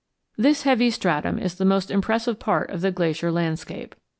This heavy stratum is the most impressive part of the Glacier landscape.